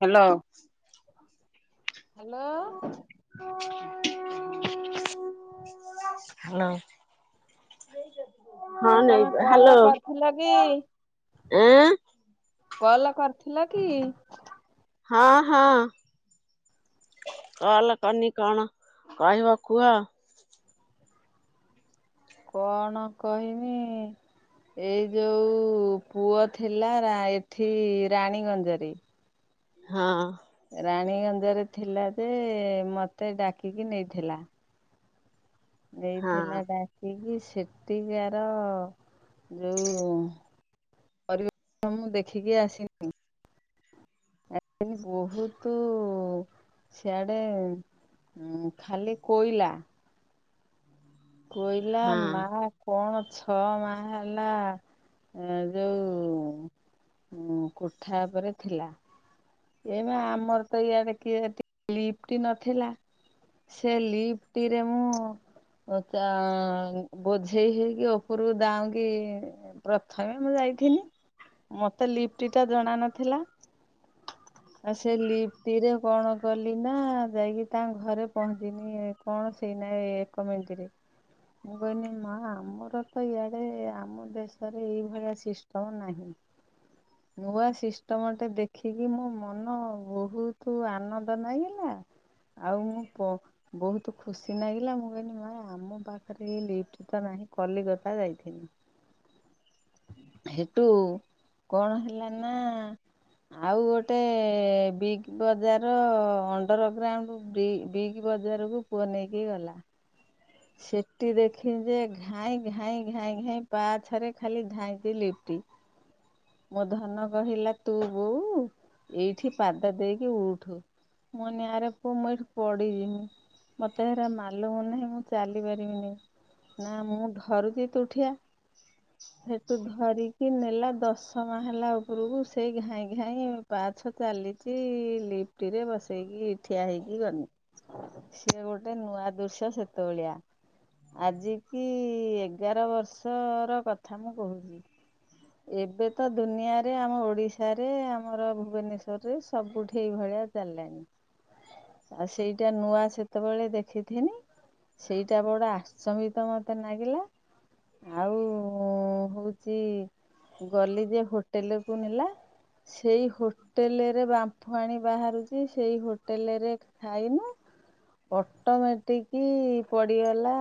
Hello, hello, hello, ହଁ ନେଇ ତମେ ହ୍ୟାଲୋ କଲ କରିଥିଲ କି ଏଁ କଲ କରି ଥିଲ କି? ହଁ ହଁ କଲ କନି କଣ କହିବ କୁହ। କଣ କହମି ଏଇ ଯୋଉ ପୁଅ ଥିଲା ଏଠି ରାଣୀଗଞ୍ଜରେ ହଁ, ରାଣୀଗଞ୍ଜରେ ଥିଲା ଯେ ମତେ ଡାକିକି ନେଇଥିଲା, ହଁ ଦେଇଥିଲା ଡାକିକି ସେଠିକାର ଯେଉଁ ପରିବେଶ ମୁଁ ଦେଖିକି ଆସିନି, ବହୁତ ସିଆଡେ ଖାଲି କୋଇଲା, କହିଲା ହଁ ମା କଣ, ଛଅ ମାହାଲା ଯୋଉ କୋଠା ଉପରେ ଥିଲା। ଏ ବା ଆମର ତ ଇଆଟ କିଏ ଲିପ୍ଟ ନଥିଲା ସେ ଲିପଟଟିରେ ମୁଁ ବୋଝେଇ ହେଇକି ଉପରକୁ ଦାଉଁକିି ପ୍ରଥମେ ମୁଁ ଯାଇଥିନି ମତେ ଲିପ୍ଟ ଟା ଜଣା ନଥିଲା ଆଉ ସେ ଲିପ୍ଟିରେ କଣ କଲି ନା ଯାଇକି ତାଙ୍କ ଘରେ ପହଞ୍ଚିନି କଣ ସେଇନାହି ଏକ ମିନିଟରେ ମୁଁ କହିଲି ମା ଆମର ତ ଇଆଡେ ଆମ ଦେଶରେ ଏଇଭଳିଆ ସିଷ୍ଟମ ନାହିଁ ନୂଆ ସିଷ୍ଟମଟେ ଦେଖିକି ମୋ ମନ ବହୁତ ଆନନ୍ଦ ଲାଗିଲା ଆଉ ମୁଁ ବହୁତ ଖୁସି ନାଗିଲା ମୁଁ କହନି ମା ଆମ ପାଖରେ ଏଇ ଲିଫ୍ଟ ତ ନାହିଁ କଲିକତା ଯାଇଥିନି ହେଠୁ କଣ ହେଲା ନା ଆଉ ଗୋଟେ ଗୋଟେ ବିଗ୍ ବଜାର ଅଣ୍ଡର ଗ୍ରାଉଣ୍ଡ ବିଗ ବଜାରକୁ ପୁଅ ନେଇକି ଗଲା, ସେଠି ଦେଖିଲି ଯେ ଘାଇଁ ଘାଇ ଘାଇ ଘାଇଁ ପାହାଛରେ ଖାଲି ଧାଇଁଛି ଲିପଟି ମୋ ଧନ କହିଲା ତୁ ବୋଉ ଏଇଠି ପାଦ ଦେଇକି ଉଠୁ ମନିଆରେ ପୁଅ ମୁଁ ଏଇଠି ପଡିଜିମି ମତେ ହେରା ମାଲୁମ ନାହିଁ ଚାଲି ପାରିବିନି। ନା ମୁଁ ଢ଼ରୁଚି। ତୁ ଠିଆ ହେଠୁ ଧରିକି ନେଲା ଦଶ। ମା ହେଲା ଉପରକୁ ସେଇ ଘାଇଁ ଘାଇଁ ପାଛ ଚାଲିଛି ଲିଫ୍ଟରେ ବସେଇକି ଠିଆ ହେଇକି ଗନି ସିଏ ଗୋଟେ ନୂଆ ଦୃଶ୍ୟ ସେ ତୋଳିଆ ଆଜିିକି ଏଗାର ବର୍ଷର କଥା ମୁଁ କହୁଛି ଏବେ ତ ଦୁନିଆରେ ଆମ ଓଡିଶାରେ ଆମର ଭୁବନେଶ୍ଵରରେ ସବୁଠି ଏଇ ଭଳିଆ ଚାଲିଲାଣି ଆଉ ସେଇଟା ନୂଆ ସେତେବେଳେ ଦେଖିଥିନି। ସେଇଟା ବଡ ଆଶ୍ଚମ୍ବିତ ମତେ ନାଗିଲା। ଆଉ ଉଁ ହଉ ଚି ଗଲି ଯେ ହୋଟେଲକୁ ନେଲା ସେଇ ହୋଟେଲରେ ବାମ୍ଫୁ ଆଣି ବାହାରୁଛି ସେଇ ହୋଟେଲରେ ଖାଇନୁ ଅଟୋମେଟିକି ପଡିଗଲା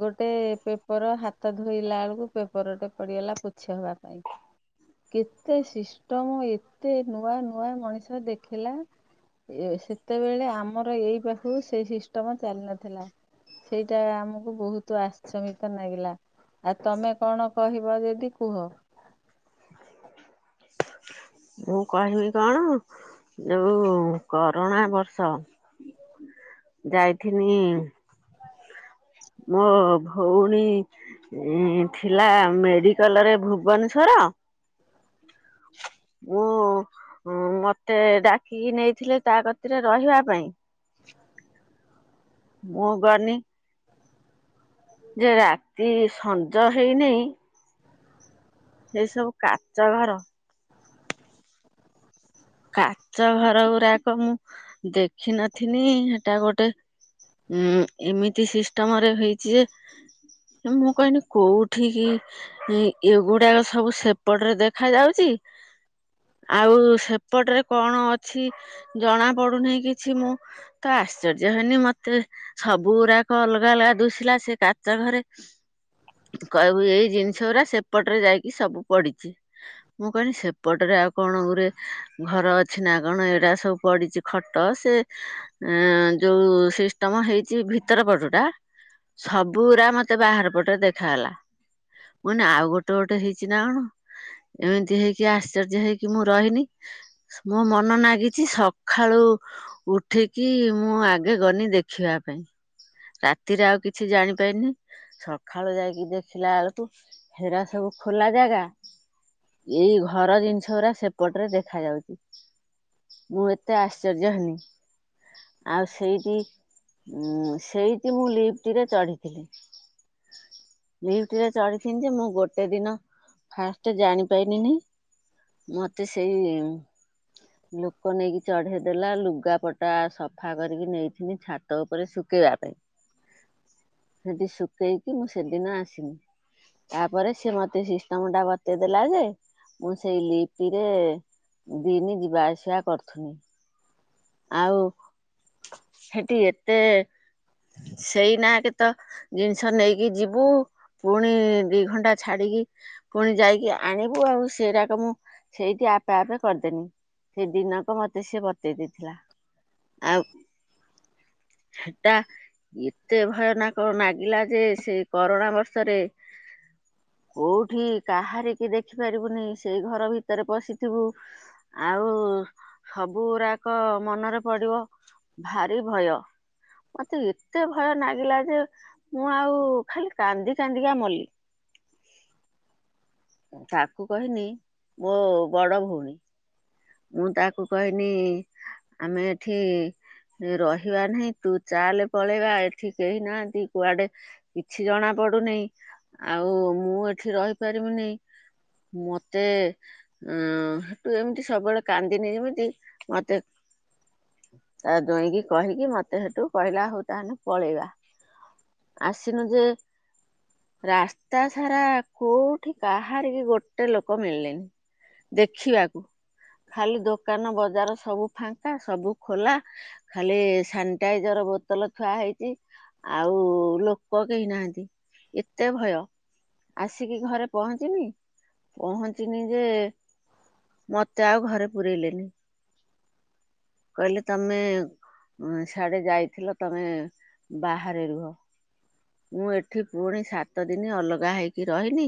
ଗୋଟେ ପେପର ହାତ ଧୋଇଲା ଆଳକୁ ପେପରଟେ ପଡିଗଲା ପୋଛି ହେବା ପାଇଁ କେତେ ସିଷ୍ଟମ ଏତେ ନୂଆ ନୂଆ ମଣିଷ ଦେଖିଲା ସେତେବେଳେ ଆମର ଏଇ ପାଖକୁ ସେ ସିଷ୍ଟମ ଚାଲି ନଥିଲା। ସେଇଟା ଆମକୁ ବହୁତ ଆଶ୍ଚମ୍ବିତ ନାଗିଲା ଆଉ ତମେ କଣ କହିବ ଯଦି କୁହ? ମୁଁ କହିବି କଣ ଯୋଉ କରୋଣା ବର୍ଷ ଯାଇଥିନି ମୋ ଭଉଣୀ ଇ ଥିଲା ମେଡିକାଲରେ ଭୁବନେଶ୍ଵର ମୁଁ ମତେ ଡାକିକି ନେଇଥିଲେ ତା କତିରେ ରହିବା ପାଇଁ। ମୁଁ ଗନି ଯେ ରାତି ସଞ୍ଜ ହେଇନେଇଁ ଏଇ ସବୁ କାଚ ଘର। କାଚ ଘର ଗୁରାକ ମୁଁ ଦେଖିନଥିନି ହେଟା ଗୋଟେ ଉଁ ଏମିତି ସିଷ୍ଟମରେ ହେଇଛି ଯେ, ମୁଁ କହନି କୋଉଠି କି ଏଗୁଡାକ ସବୁ ସେପଟରେ ଦେଖା ଯାଉଛି। ଆଉ ସେ ସେପଟରେ କଣ ଅଛି ଜଣା ପଡୁନାହିଁ କିଛି ମୁଁ ତ ଆଶ୍ଚର୍ଯ୍ୟ ହେନି ମତେ ସବୁ ଗୁଡାକ ଅଲଗା ଅଲଗା ଦୁଶିଲା ସେ କାଚ ଘରେ କହିବୁ ଏଇ ଜିନିଷ ଗୁରା ସେପଟରେ ଯାଇକି ସବୁ ପଡିଛି। ମୁଁ କହିଲି ସେପଟରେ ଆଉ କଣ ଗୁରେ ଘର ଅଛି ନା କଣ ଏଇଟା ସବୁ ପଡିଛି ଖଟ ସେ ଯୋଉ ସିଷ୍ଟମ ହେଇଛି, ଭିତର ପଟୁ ଟା ସବୁୁରା ମତେ ବାହାର ପଟେ ଦେଖାଗଲା ମୁଁନି ଆଉ ଗୋଟେ ଗୋଟେ ହେଇଛି ନା କଣ? ଏମିତି ହେଇକି ଆଶ୍ଚର୍ଯ୍ୟ ହେଇକି ମୁଁ ରହିନି। ମୋ ମନ ନାଗିଛି ସକାଳୁ ଉଠିକି ମୁଁ ଆଗେ ଗନି ଦେଖିବା ପାଇଁ ରାତିରେ ଆଉ କିଛି ଜାଣିପାରିନି ସକାଳୁ ଯାଇକି ଦେଖିଲା ବେଳକୁ ହେରା ସବୁ ଖୋଲା ଜାଗା ଏଇ ଘର ଜିନିଷ ଗୁରା ସେପଟରେ ଦେଖ ଖାଯାଉଛି ମୁଁ ଏତେ ଆଶ୍ଚର୍ଯ୍ୟ ହେନି ଆଉ ସେଇଟି ସେଇଟି ମୁଁ ଲିଫଟ୍ ରେ ଚଢ଼ିଥିଲି ଲିଫଟ୍ ରେ ଚଢ଼ିଥିନି ଯେ ମୁଁ ଗୋଟେ ଦିନ ଫାଷ୍ଟ ଜାଣିପାଇଲିନି ମତେ ସେଇ ଲୋକ ନେଇକି ଚଢେଇ ଦେଲା ଲୁଗାପଟା ସଫା କରିକି ନେଇଥିନି, ଛାତ ଉପରେ ଶୁଖେଇବା ପାଇଁ ସେଠି ଶୁଖେଇକି ମୁଁ, ସେଦିନ ଆସିନି ତାପରେ ସେ ମତେ ସିଷ୍ଟମ ଟା ବତେଇଦେଲା ଯେ ମୁଁ ସେଇ ଲିଫ୍ଟ ରେ ଦିନି ଯିବା ଆସିବା କରୁଥୁନି ଆଉ ସେଠି ଏତେ ସେଇନା କେ ତ ଜିନିଷ ନେଇକି ଯିବୁ ପୁଣି ଦି ଘଣ୍ଟା ଛାଡିକି ପୁଣି ଯାଇକି ଆଣିବୁ ଆଉ ସେଇରାକ ମୁଁ ସେଇଠି ଆ ପେ ଆପେ କରିଦେନି ସେ ଦିନକ ମତେ ସିଏ ବତେଇ ଦେଇଥିଲା। ଆଉ ହେଟା ଏତେ ଭୟାନକ ନାଗିଲା ଯେ ସେ କରୋନା ବର୍ଷରେ କୋଉଠି କାହାରି କିି ଦେଖିପାରିବୁନି ସେଇ ଘର ଭିତରେ ପଶିଥିବୁ। ଆଉ ସବୁରାକ ମନରେ ପଡିବ ଭାରି ଭୟ। ମତେ ଏତେ ଭୟ ନାଗିଲା ଯେ ମୁଁ ଆଉ ଖାଲି କାନ୍ଦି କାନ୍ଦିକା ମଲି। ତାକୁ କହିନି ମୋ ବଡ ଭଉଣୀ ମୁଁ ତାକୁ କହନି ଆମେ ଏଠି ରହିବା ନାହିଁ ତୁ ଚାଲ ପଳେଇବା ଏଠି କେହି ନାହାଁନ୍ତି କୁଆଡେ କିଛି ଜଣା ପଡୁନେଇ ଆଉ ମୁଁ ଏଠି ରହିପାରିବିନେଇଁ ମତେ ଅଁ ହେଠୁ ଏମିତି ସବୁବେଳେ କାନ୍ଦିନି ଯେମିତି ମତେ ତା ଜୋଇଁକି କହିକି ମତେ ସେଠୁ କହିଲା ହଉ ତାହେଲେ ପଳେଇବା ଆସିନୁ ଯେ ରାସ୍ତା ସାରା କୋଉଠି କାହାରି ବି ଗୋଟେ ଲୋକ ମିଳିଲେନି ଦେଖିବାକୁ। ଖାଲି ଦୋକାନ ବଜାର ସବୁ ଫାଙ୍କା ସବୁ ଖୋଲା ଖାଲି ସାନିଟାଇଜର ବୋତଲ ଥୁଆ ହେଇଛି ଆଉ ଲୋକ କେହି ନାହାନ୍ତି, ଏତେ ଭୟ ଆସିକି ଘରେ ପହଞ୍ଚିନି। ପହଞ୍ଚିନି ଯେ ମତେ ଆଉ ଘରେ ପୁରେଇଲେନି। କହିଲେ ତମେ ଏ ସିଆଡେ ଯାଇଥିଲ ତମେ ବାହାରେ ରୁହ। ମୁଁ ଏଠି ପୁଣି ସାତ ଦିନ ଅଲଗା ହେଇକି ରହିନି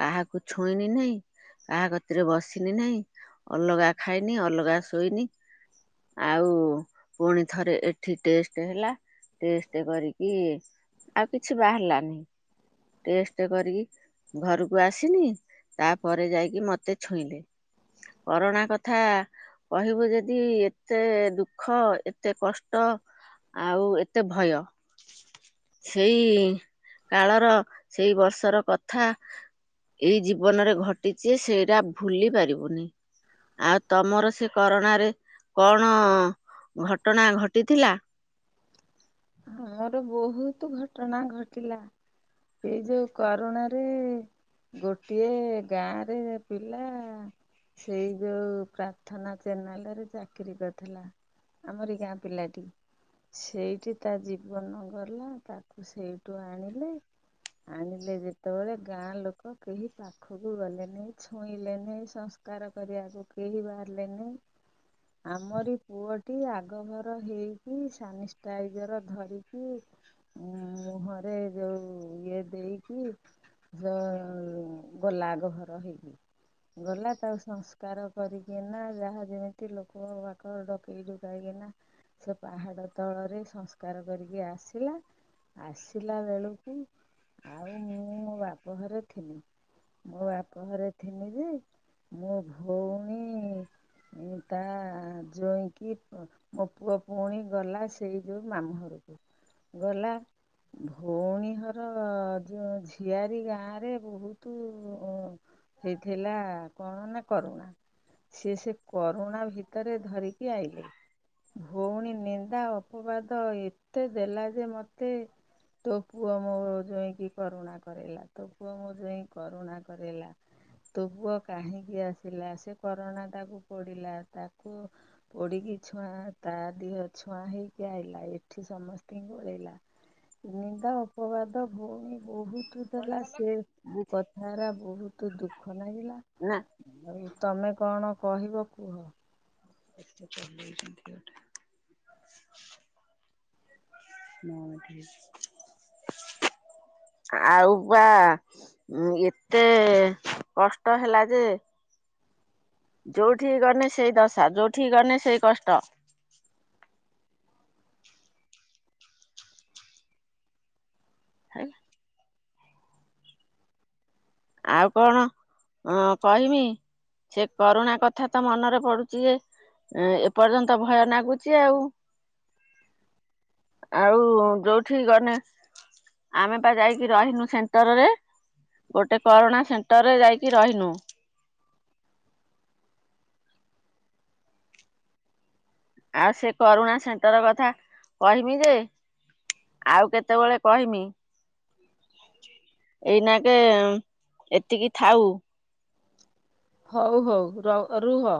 କାହାକୁ ଛୁଇନି ନାହିଁ, କାହା କତିରେ ବସିନି ନାହିଁ, ଅଲଗା ଖାଇନି, ଅଲଗା ଶୋଇନି, ଆଉ ପୁଣି ଥରେ ଏଠି ଟେଷ୍ଟ ହେଲା ଟେଷ୍ଟ କରିକି ଆଉ କିଛି ବାହାରିଲାନି ଟେଷ୍ଟ କରିକି ଘରକୁ ଆସିନି ତାପରେ ଯାଇକି ମତେ ଛୁଇଁଲେ କରୋଣା କଥା କହିବୁ ଯଦି ଏତେ ଦୁଃଖ, ଏତେ କଷ୍ଟ, ଆଉ ଏତେ ଭୟ। ସେଇ କାଳର ସେଇ ବର୍ଷର କଥା ଏଇ ଜୀବନରେ ଘଟିଛି ସେଇଟା ଭୁଲି ପାରିବୁନି। ଆଉ ତମର ସେ କରୋନାରେ କଣ ଘଟଣା ଘଟିଥିଲା? ଆମର ବହୁତ ଘଟଣା ଘଟିଲା। ଏଇ ଯୋଉ କରୋଣାରେ ଗୋଟିଏ ଗାଁରେ ପିଲା ସେଇ ଯୋଉ ପ୍ରାର୍ଥନା ଚ୍ୟାନେଲରେ ଚାକିରୀ କରିଥିଲା। ଆମରି ଗାଁ ପିଲାଟି ସେଇଠି ତା ଜୀବନ ଗଲା ତାକୁ ସେଇଠୁ ଆଣିଲେ ଆଣିଲେ ଯେତେବେଳେ ଗାଁ ଲୋକ କେହି ପାଖକୁ ଗଲେନାହିଁ ଛୁଇଁଲେ ନାହି ସଂସ୍କାର କରିବାକୁ କେହି ବାହାରିଲେ ନାହିଁ ଆମରି ପୁଅଟି ଆଗଭର ହେଇକି ସାନିଷ୍ଟାଇଜ୍ ନିଜର ଧରିକି ମୁହଁରେ ଯୋଉ ଇଏ ଦେଇକି ଯଅ ଗଲା ଆଗଭର ହେଇକି ଗଲା ତାକୁ ସଂସ୍କାର କରିକିନା ଯାହା ଯେମିତି ଲୋକ ବାକ ଡକେଇ ଡୁକାକିନା ସେ ପାହାଡ଼ ତଳରେ ସଂସ୍କାର କରିକି ଆସିଲା ଆସିଲା ବେଳକୁ ଆଉ ମୁଁ ମୋ ବାପଘରେ ଥିନି ମୋ ବାପ ଘରେ ଥିନି ଯେ ମୋ ଭଉଣୀ ତା ଜ୍ୱଇଁକି ମୋ ପୁଅ ପୁଣି ଗଲା ସେଇ ଯଉଁ ମାମୁଁ ଘରକୁ ଗଲା। ଭଉଣୀ ଘର ଯେଉଁ ଝିଆରୀ ଗାଁରେ ବହୁତୁ ଉଁ ହେଇଥିଲା କଣ ନା କରୁଣା, ସିଏ ସେ କରୁଣା ଭିତରେ ଧରିକି ଆଇଲେ ଭଉଣି ନିନ୍ଦା ଅପବାଦ ଏତେ ଦେଲା ଯେ ମୋତେ ତୋ ପୁଅ ମୋ ଜ୍ୱଇଁକି କରୁଣା କରେଇଲା ତୋ ପୁଅ ମୋ ଜଇଁ କରୁଣା କରେଇଲା। ତୋ ପୁଅ କାହିଁକି ଆସିଲା ସେ କରୁଣା ଟାକୁ ପୋଡ଼ିଲା ତାକୁ ପୋଡ଼ିକି ଛୁଆଁ ତା ଦେହ ଛୁଆଁ ହେଇ କିଏ ଆଇଲା ଏଠି ସମସ୍ତଙ୍କୁ କହିଲା ନିନ୍ଦା ଅପବାଦ ଭଉଣୀ ବହୁତ ଦେଲା ସେ କଥାରା ବହୁତ ଦୁଃଖ ନାଗିଲା। ନା ଆଉ ତମେ କଣ? କହିବ କୁହ। ଚଲେଇଛନ୍ତି ଗୋଟେ। ହଁ ହ ଆଉ ବା ଏତେ ଏ କଷ୍ଟ ହେଲା ଯେ ଯୋଉଠିକି ଗଲେ ସେଇ ଦଶା ଯୋଉଠି ଗଲେ ସେଇ କଷ୍ଟ ହେଲା ଆଉ କଣ କହମି ସେ କରୁଣା କଥା ତ ମନରେ ପଡୁଛି ଯେ ଏପର୍ଯ୍ୟନ୍ତ ଭୟ ନାଗୁଛି ଆଉ ଆଉ ଯୋଉଠି ଗଲେ ଆମେ ବା ଯାଇକି ରହିନୁ ସେଣ୍ଟରରେ ଗୋଟେ ଗୋଟେ କରୋନା ସେଣ୍ଟରରେ ଯାଇକି ରହିନୁ। ଆଉ ସେ କରୁଣା ସେଣ୍ଟର କଥା କହମି ଯେ ଆଉ କେତେବେଳେ କହମି [inaudible] ଏଇନା କେ ଏତିକି ଥାଉ ହଉ ହଉ ର ରୁହ।